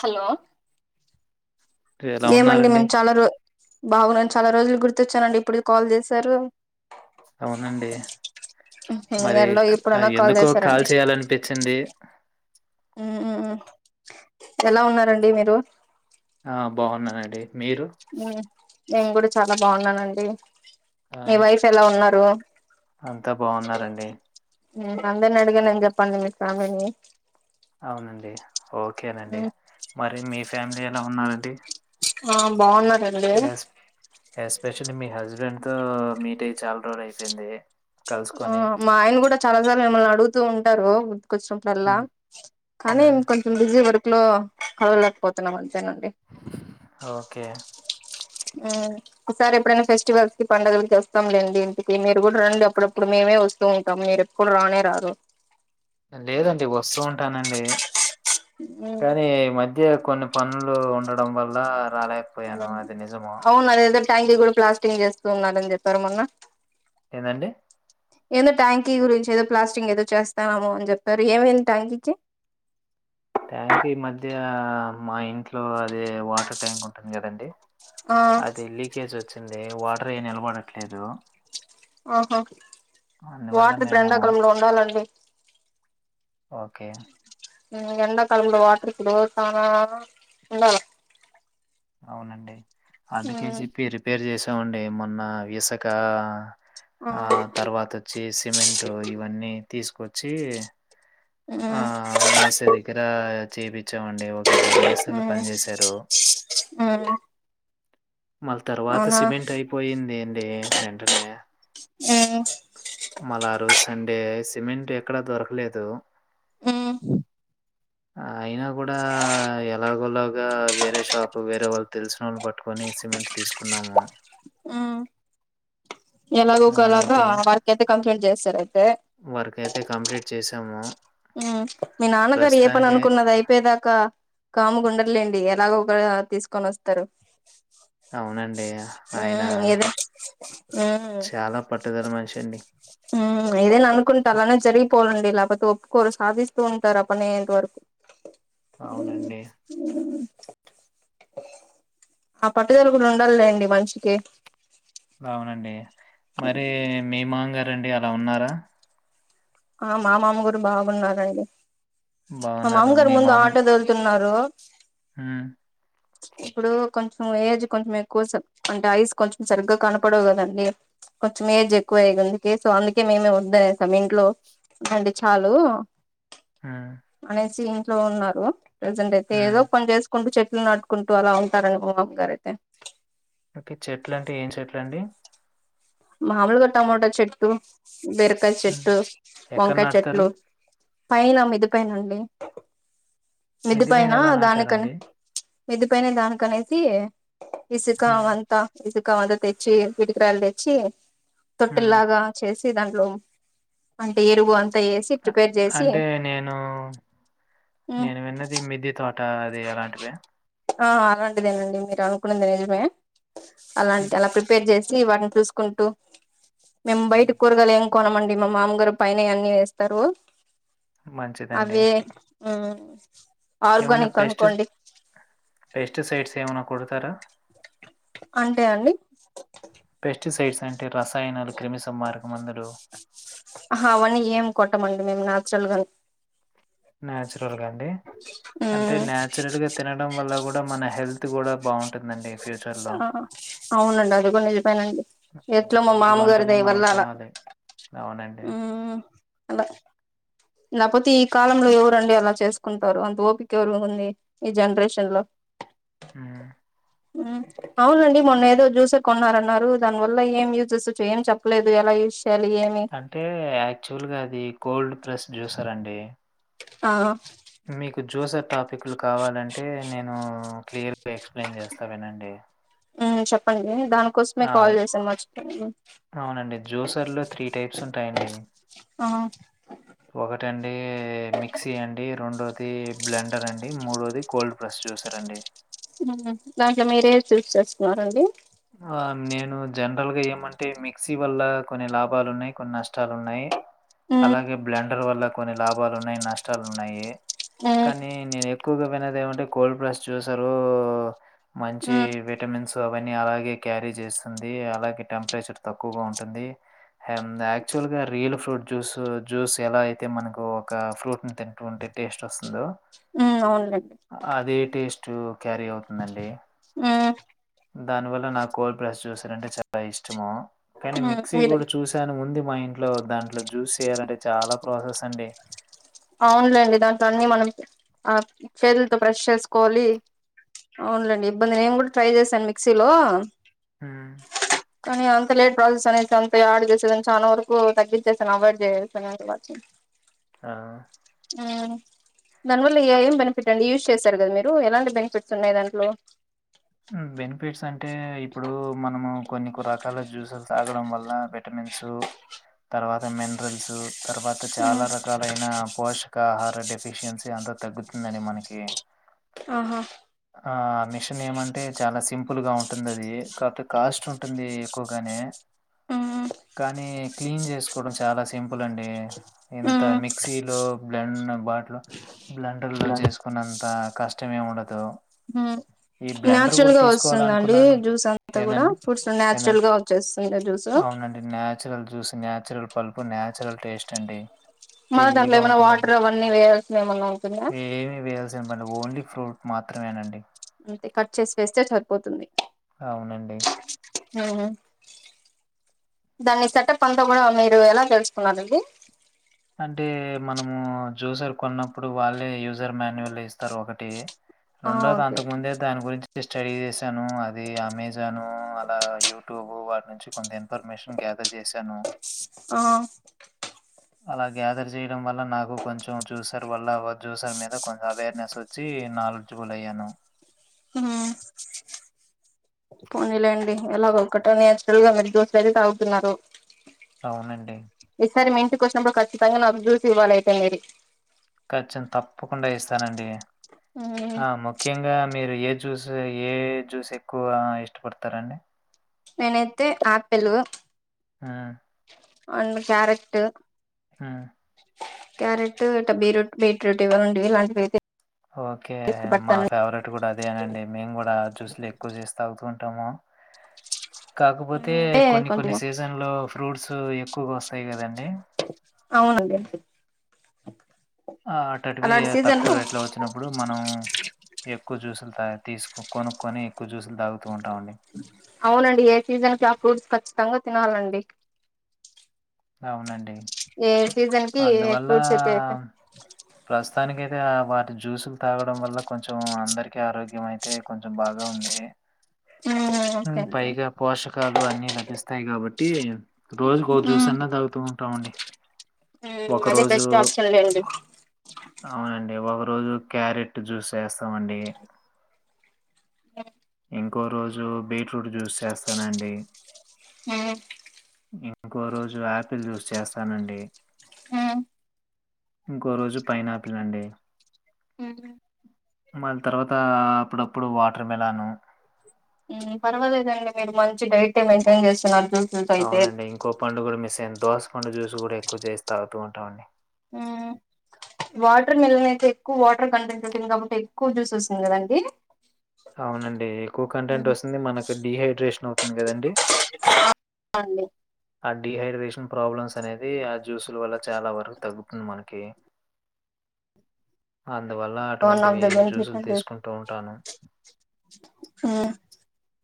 Hello ఎలా ఏమండి ఉన్నారండి? మేం చాలా రో బాబూ నేను చాలా రోజులు గుర్తొచ్చానండి! ఇప్పటికి కాల్ చేశారు. అవునండి మరి ఎల్లో క్ ఇప్పుడన్నా ఎందుకో కాల్ చేశారండి చేయాలనిపిచ్చింది ఎలా ఉన్నారండి మీరు ఆ బావున్నానండి ఊ నేంగూడ చాలా బావున్నానండి. ఆ! మీ వైఫ్ ఎలా ఉన్నారు [inaudible] అంతా బాగున్నారండి. అందరిని అడిగనని చెప్పండి మీ ఫ్యామిలీ నీ అవునండి ఓకేనండి మరి మీ ఫ్యామిలీ ఎలా ఉన్నారండి? ఆ బాగున్న ఎస్ ఎస్పెషలీ మీ హస్బ్ బెండ్ తో మీటై చాలా రోజులు అయిపోయింది. ఆ మా ఆయన కూడా చాలా సార్లు మిమ్మల్ని అడుగుతూ ఉం టర్రు ఉద్ కొచ్చినప్పుడల్లా హ్మ్. కానీ హ్మ్. ఇంకొంచం బిజీ వర్ ట్లో కలవలేకపోతున్నామండి ఓకే హ్మ్ ఒకసారి ఎప్పుడైనా ఫెస్టివల్స్ కి పండగలకి వస్తాంలేండి ఇంటికి మీ మీరు గూడ రండి అప్పుడప్పుడు మేమే వస్ స్తూ ఉంటాం మీరెప్పుడు రానేే రారు లేదండి వస్తూ ఉంటానండి కానీ ఈ మధ్య కొన్న్ పనులు ఉండడం వల్ల రాలేక పోయాను అది నిజము. అవును అదేదో ట్యాంకీ గూడ ప్లాస్టింగ్ చేస్తూ ఉన్నాడని చెప్పారు మొన్న. ఏందండి ఏదో ట్యాంకీ గురించి ఏదో ప్లాస్టింగ్ ఏదో చేస్తాన్నాము అని చెప్పారు, ఏమైంది ట్యాంకీకి? ట్యాంక్ ఈ మధ్య మా ఇంట్లో అదే వాటర్ ట్యాంక్ ఉంటుంది. కదండి ఆ అది లీకేజ్ వచ్చింది. వా ట్రే నిలబడట్లేదు. ఆహా అందువల్ల వాటర్ ఇప్పుడు మేము ఎండాకాలంలో ఉండాలండి. ఓకే హ్ ఎండ కాలంలో గుడా వాటర్ [unintelligible] ఉండాలే అవునండి అందుకే జేప్పి రిపేర్ చేస్ [unintelligible] డి. మొన్న ఇసక ఆ తర్వాత ఓచ్చి సిమెంట్ ఇవన్నీ తీసుకొచ్చి ఉమ్ ఆ ఉమ్ మేస్త్రీ కి దగ్గర చేపిచ్చామండి. ఒక ఇద్దరు మేస్త్రీలు పని జేసారు. ఆ మళ్ళా తర్వాత సిమెంట్ అయిపోయింది అండి వెంటనే, ఉమ్ మళ్ళా ఆ రోజు సండే స్ సిమెంట్ ఎక్కడ దొరకలేదు. ఊ ఆ అయినా గుడా ఎలాగోలా ఆ వేరే షాప్ వేరే వాళ్ళు తెలిసినోళ్ళు బట్ కొని సిమెంట్ తీసుకున్నాము. హ్ ఎలాగో ఒకలగా వర్క్ ఐతే కంప్లీట్ జే సరే వర్క్ ఐతే కంప్లీట్ చేశాము. మీ నాన్నగారు ఏ పని ప్రస్తుతానికే అనుకున్నది. అయిపోయేదాకా కాముగా ఉండర్లేండి. ఇగ లాగా ఒక తీసుకొని అస్తరు. అవునండి. ఆయన ఏదో ఉమ్ చాలా పట్టుదల మనిషి అండి. హ్ ఏదైనా అనుకుంటా ఆల్ అనేది జరిగిపోవ ఏం లాభం ఫస్ట్ ఒప్పుకోరు సాధిస్తూ ఉంటారు. అ పనీ అయ్యెంత వరకు అవునండి. ఆ పట్టుదల కూడా ఉండాలి లేండి. ఆ మనిషికి అవునండి. మరి మీ మాంగారు అండి. అలా ఉన్నారా ఆ మా మామగారు బాగున్నారాండి. మా బాగున్నారు. మామ్మ గారు ముందు ఆటో దొలుతున్నారు డ్రాప్స్ ఉమ్ ఇప్పుడు కొంచెం ఏజ్ కొంచెం ఎక్కువ అంటే ఐస్ కొంచెం సరిగ్గా కనపడవు కదండి కొంచెం ఏజ్ ఎక్కువ అయ్యంది అందుకే అందుకే మేము వద్దనే సం ఇంట్లో రెండు చాలు హ్మ్. మానేసి లో ఉన్నరు ప్రజెంట్ అయితే హ్మ్. ఎదో కొన్నీ చేసుకుంటూ చెట్ చెట్లు నాటుకుంటూ అలా ఉంటారండి మా మామ్మ గారు అయితే ఇంతకీ చెట్లు అంటే ఏం చెట్లండి మాములుగా టమోట చెట్టు బీరకాయ హ్మ్. చెట్టు ఎక్కడ వంకాయ నాటుతారు? చెట్లు పైన మీద్దే పైన అండి. మిద్దె పైన పైనా ఎలా దాని కాని నాటారండి? మీద్ద పైన దానికనేసి ఇసుక హ్మ్. అవంతా ఇసు ఉక్కంత తెచ్చి ఇటుక రాళ్ళు తెేచ్చి హ్మ్. తొటెల్లగా చేసి దాంట్లో అంటే ఎరువు అం అంటే నేను నేను విన్నది దీని మీద్దే తోట అది అలాంటివే ఆ అలాంటిదే అండి మీరు అనుకున్నంది నిజమే అలాంట హ్మ్, అలా ప్రిపేర్ చేస్ కి వాటిని చూసుకుంటూ మెమ్ హ్మ్. బయటి కూరగాయల్ ఎం కొనమండి మా మామ్మ గారు పైన అన్నీ వేస్తారు మంచిదండి ఉమ్మ్ ఆర్గనిక్ పేస్టి పేస్టిసైట్స్ ఎమన్నా కొడతారా అంటే అండి పెస్టిసైడ్స్ అంటే రసాయనాలు క్రిమి సంహారక మందులు ఆహా అవన్నీ ఏం కొట్టమండి మేము నాచురల్ గానే నాచురల్ గా అండి అంటే నాచురల్ గా తినడం వల్ల కూడా మన హెల్త్ కూడా బాగుంటుందండి ఫ్యూచర్లో ఆ అవునండి అది కూడా నిజమండీఎట్లో మా అలాంటి మామగారి వంటలే దయ మనం వల్ల అలా తినాలి అవునండి అలా లేకపోతే ఈ కాలంలో ఎవరండి అలా చేసుకుంటారు అంత ఓపిక ఎవరు ఉంది ఈ జనరేషన్ లో మ్మ్. ఉమ్ అవునండి మొన్న ఏదో జ్యూసర్ కొన్నారన్నారు దాని వల్ల ఏం యూజస్ ఏం చెప్పలేదు ఎలా యూస్ అంటే యాక్చువల్గా అది కోల్డ్ ప్రెస్డ్ జ్యూసర్ అండి అ మీ జూసర్ టాపిక్లు కావాలంటే నేను క్లియర్ ఎక్స్ప్లెన్ చేస్తావినండి ఎ ఉ చెప్పండి దానికోసమే కాల్ చేసాను వచ్చి అవునండి. జ్యూసర్‌లో టైప్స్ ఉంటాయండి. ఆ ఒకటండి మిక్సీ అండి రెండో ది బ్లెండర్ అండి మూడోది కోల్డ్ ప్రెస్ జ్యూసర్ అండి దాంట్లో మీరే చూస్ చేసుకున్నారండి ఆ నేను జనరల్గా ఏమంటే మిక్సీ వల్ల కొన్ని లాభాలు ఉన్నాయి కొన్ని నష్టాలు ఉన్నాయి ఉమ్ అలాగే బ్లెండర్ వల్ల కొన్ని లాభ లాభాలు ఉన్నాయి నష్టాలు ఉన్నాయి ఉమ్ కానీ నేను ఎ ఎక్కువగా అది ఏమంటే కోల్డ్ ప్లస్ చూసారు మంచి ఉమ్ విటమిన్స్ సవన్ [unintelligible] ని అలాగే క్యారీ చేస్తుంది అలాగే టెంపరేచర్ తక్కువగా ఉంటుంది యాక్చువల్ గా రియల్ ఫ్రూట్ జ్యూస్ జ్యూస్ ఎలా అయితే మనకు ఒక ఫ్రూట్ ని తింటూ ఉంటే టేస్ట్ వస్తుందో ఉమ్ అవునులేండి అదే టేస్ట్ టూ క్యారీ అవుతుందండి ఆ దాని వల్ల నాకు కోల్డ్ బ్రెస్ చూసార అంటే చాలా ఇష్టము కానీ ఉమ్ మిక్సీ మీరే కూడా చూసాను ఉంది మా ఇంట్ ఇంట్లో దాంట్లో జ్యూస్ చేయాలంటే చాలా ప్రాసెస్ అండి అవునులేండి దాంట్లో అన్నీ మనం ఆ చేతులతో ప్ర్రెష్ చేసుకోవాలి అవునులేండి ఇబ్బంది నేను కూడా ట్రై చేసాను మిక్సీలో హ కానీ అంత లేట్ ప్రాసెస్ అనే అంత యాడ్ చేసేదాను చాలా వరకు తగ్గించేసాను అవాయిడ్ చేసాను ఆ దానివల్ల ఏం బెనిఫిట్ అండి యూజ్ చేస్తారు కదా మీరు ఎలాంటి బెనిఫిట్స్ ఉన్నాయి దాంట్లో బెనిఫిట్స్ అంటే ఇప్పుడు మనము కొన్ని రకాల జ్యూసులు తాగడం వల్ల విటమిన్స్ తర్వాత మినరల్స్ తర్వాత చాలా రకాలైన పోషకాహారడి ఎఫిషియన్సీ అంతా తగ్గుతుందని మనకి ఆహా ఆ మిషన్ ఏమంత అంటే చాలా సింపుల్గా ఉంట ఉంటుందిది కాకపోతే కాస్ట్ ఉంటుంది ఎక్కువగానే కానీ క్లీన్ చేసుకోవడం చాలా సింపుల్ అండి ఇంత మిక్సీలో బ్లెండ్ నా బాట్లో బ్లెండర్ లో చేసుకున్నంత కష్ కష్టమే ఉండదు హ్మ్ ఈ నాన్చురల్ గా వస్తుందండి తీసుకోవాలనుకున్నాను. జ్యూస్ అంతా కూడా ఏదండి? ఫ్రూడ్స్ ఏంద నాచురల్ గా వచ్చేస్తుంది జ్యూస్ చూసి న్చురల్ పలుపు నచురల్ టేస్ట్ అండి మన దాంట్లో తియ్యగా ఏమైన్నా ఉంటుందండి. వాటర్ అవన్నీ వేయాల్సిన ఏమన్నా ఉంటుందా ఏమి వేయాల్సిన ఓన్లీ ఫ్రూట్ మాత్రమేనండి అంతే కట్ చేసి వేస్తే సరిపోతుంది అవునండి దాన్ని సెటప్ అంతా కూడా మీరు ఎలా తెలుసుకున్నారండి అంటే మనము జ్యూసర్ కొన్నప్పుడు వాళ్ళే యూసర్ మాన్యువల్ ఇస్తారు ఒకటి ఆ రెండోది ఓకే అంతకు ఓకే ముందే దాని గురించి డి చేశాను అది అమెజాను అలా యూట్యూబ వాటి నుంచి కొంత ఇన్ఫర్మేషన్ గ్యాదర్ చేశాను ఆ అలా గ్యాదర్ చేయడం వల్ల నాకు కొంచెం జ్యూసర్ వల్ల జ్యూసర్ మీద కొంచెం అవేర్నెస్ వచ్చి నాలెడ్జిబుల్ అయ్యాను పోనీలేండి ఎలాగో ఒకట నచురల్ గా మరి దోశలు అయితే తాగుతున్నారు అవునండి డుఖచ్చితంగా అూసి ఇవ్వాలి అయితే మరి చెం తప్పకుండా చేస్తానండి ఆ ముఖ్యంగా మీరు ఏ జ్యూస్ ఏ జ్యూస్ ఎక్కువ ఇష్టపడతారండి నేనైతే ఆపిల్ ఆ ఒన్ క్యారెట్ ఆ క్యారెట్ టబ్బీ రూట్ బీట్ రూట్ ఇవ ఉండవి ఇలాంటివితే ఓకే మా ఫేవరెట్ కూడా అదేనండి, మేము కూడా జ్యూస్లు ఎక్కువ చేసి తాగుత త్తమ కాకపోతే అంటే కొన్ని కొన్ని కొంచెం సీజన్ లో ఫ్రూట్స్ సో ఎక్కువగా వస్తాయి కదండి అవునండి ఆ అటటివి అలాంటి సీజన్ తక్కువ లో రేట్లో వచ్చినప్పుడు మనం ఎక్కువ చూసులు తీసుకు కొనుక్కొని ఎక్కువ జ్యూసులు తాగుతూ ఉంటామండి. అవునండి ఏ సీజన్ కి ఆ ఫ్రూట్స్ ఖచ్చితంగా తినాలండి అవునండి ఏ సీజన్కి ఏ అందువల్ల ఫ్రూట్స్ అయితే ప్రస్తుతానికైతే ఆ వాటి జ్యూసులు తాగడం వల్ల కొంచెం అందరికి ఆరోగ్యం అయితే కొంచెం బాగా ఉంది. ఓకే అండి పైగా పోషకాలు అన్ని లభిస్తాయి కాబట్టి రోజుకు ఒక జ్యూస్ చిన్న తాగుతూ ఉంటామండి ఒక అదే రోజు బెస్ట్ ఆప్షన్ లేండి అవునండి, ఒక రోజు క్యారెట్ జ్యూస్ చేస్తామండి, ఇంకో రోజు బీట్రూట్ జ్యూస్ చేస్తానండి, ఇంకో రోజు ఆపిల్ జ్యూస్ చేస్తానండి, ఇంకో రోజు పైనాపిల్ అండి, మల్లి తరువాత అప్పుప్పుడు వాటర్ మిలన్ పర్వాలేదండి మీరు మంచి డైటే మెయింటైన్ చేస్తున్నారు జ్యూసెస్ అయితే అవునండి ఇంకో పండుగ కూడా మిస్ దోసకొండ జ్యూస్ కూడా ఎక్కువ చేసి తాగుతూ ఉంటామండి వాటర్ మిల్న్ అయితే ఎక్కువ వాటర్ కంటెంట్ అయింది కాబట్టి ఎక్కువ జ్యూస్ వస్తుంది కదండి. అవునండి ఎక్కువ కంటెంట్ వస్తుంది మనకు డిహైడ్రేషన్ అవుతుంది కదండి అండి డిహైడ్రేషన్ ప్రాబ్లమ్స్ అనేది ఆ జ్యూస్ల వల్ల చాలా వరకు తగ్గుతుంది మనకి అందువల్ల వన్ ఆఫ్ అటువంటివి ద జ్యూసులు తీసుకుంటూ ఉంటాను మ్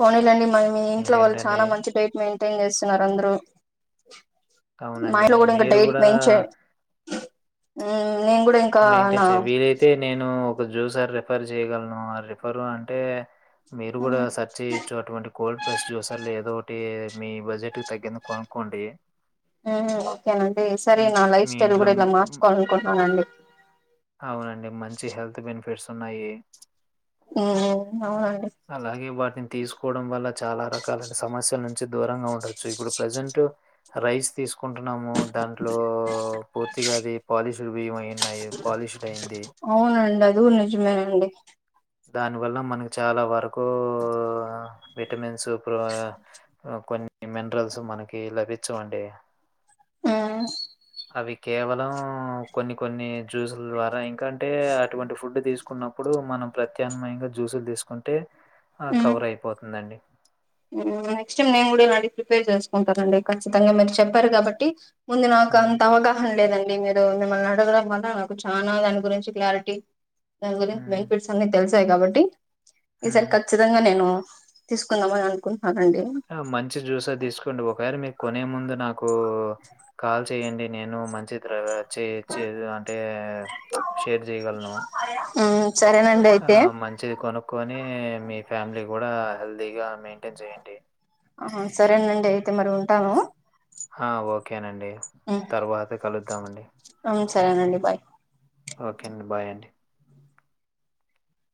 కొనీ లేండి మ మీ ఇంట్లో వాళ్ళు ఇంకేంటండి చాలా మంచి డైట్ మెయింటైన్ చేస్తున్నారు అందరు [inaudible] అవునండి మీరు కూడా హు మెయింటైన్స్ చేయం వీలైతే నేను ఒక జ్యూసర్ రిఫర్ చేయగలను ఆ రిఫర్ అంటే మీరు కూడా సర్చ్ చేయొచ్చు అటువంటి కోల్డ్ ప్రెస్ట్ జ్యూసర్ ఏదో అంటే మీ బడ్జెట్ తగ్గింది కొనుక్కోండి ఓకేనండి సరే హ్మ్. నా లైఫ్ మీ స్టైల్ ఇంట్లో కూడా ఇలా హ్మ్. మార్చుకోవాలి అనుకుంటున్నానండి అవునండి మంచి హెల్త్ బెనిఫిట్స్ ఉన్నాయి హుహు అలాగే బట్ తీసుకోవడం వల్ల చాలా రకాలైన సమస్యల నుం దూరంగా ఉండొచ్చు ఇప్పుడు ప్రజెంట్ రైస్ తీసు చసుకుంటున్నాము, దాంట్లో పూర్తిగా అది పాలిష్డ్ బియ్యం అయిన్నాయి, పాలిష్డ్ అయింది. అదు నిజమేనండి దాని వల్ల మనకు చాలా వరకు విటమిన్స్ కొన్ని మినరల్స్ మనకి లభించవండి హు అవి కేవలం కొన్ని కొన్ని జ్యూసుల ద్వారా ఇంకంటే అటువంటి ఫుడ్ తీసుకున్నప్పుడు మనం ప్రత్యాన్మయంగా జ్యూసులు తీసుకుంటే ఆ కవర్ అయిపోతుందండి నెక్స్ట్ టైం నేను కూడా ఇలా ప్రిపేర్ చేసుకుంటాన అండి ఖచ్చితంగా మీరు చెప్పారు కాబట్టి ముందు నాకు హ్మ్. అంత అవగాహన లేదండి మీరు మిమ్మల్ని అడగడం వల్ల నాకు చాలా దాని గురించి క్లారిటీ దానిగురించి హ్మ్. బెనిఫిట్స్ అన్ని తెలిసి ఉంటై కాబ్బటి ఈసారి హ్మ్. ఖచ్చితంగా నేను తీసుకుందాం అని ఆ మంచి జ్యూసార్ తీసుకోండి ఒకవేల మీరు కొనే ముందల నాకు కాల్ చెయ్యడి నేను మంచి చేచ్చ అంటే షేర్ చేయగలను ఉమ్, సరేనండి ఆ అయితే మంచిది కొనుక్కోని కానీ మీ ఫ్యామిలీ కూడా హెల్దీగా మెయింటైన్ చేయండి ఆహ సరేనండి అయితే మరి ఉంటాను ఆ ఓకేనండి త బహతే కాల ఇద్దామండి అ సరేనండి బాయ్ ఓకే అండి బాయ్ అండి